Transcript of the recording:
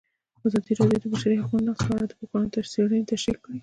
ازادي راډیو د د بشري حقونو نقض په اړه د پوهانو څېړنې تشریح کړې.